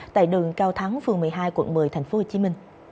tại đường cao thắng phường một mươi hai quận một mươi tp hcm